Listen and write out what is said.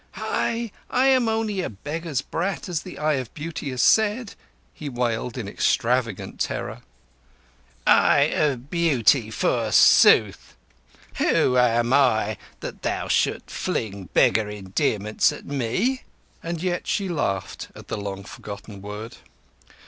"Ahai! I am only a beggar's brat, as the Eye of Beauty has said," he wailed in extravagant terror. "Eye of Beauty, forsooth! Who am I that thou shouldst fling beggar endearments at me?" And yet she laughed at the long forgotten word.